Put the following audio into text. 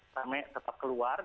rame tetap keluar